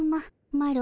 マロ